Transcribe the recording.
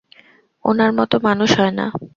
ওনার মতো মানুষ হয় না!